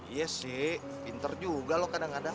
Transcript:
iya sih pinter juga loh kadang kadang